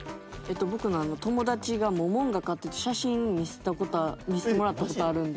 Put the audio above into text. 僕の友達がモモンガ飼ってて写真見せてもらった事あるので。